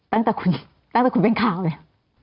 ตั้งแต่คุณเป็นข่าวนี่